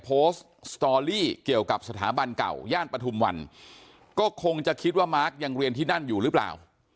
สตอรี่เกี่ยวกับสถาบันเก่าย่านปฐุมวันก็คงจะคิดว่ามาร์คยังเรียนที่นั่นอยู่หรือเปล่า